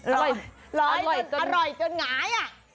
รอยจนหงาย